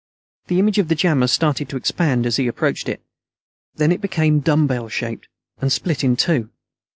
The image of the jammer started to expand as he approached it. Then it became dumbbell shaped and split in two.